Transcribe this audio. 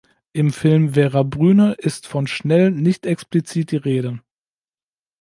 Im Film Vera Brühne ist von Schnell nicht explizit die Rede.